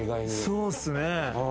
そうっすね。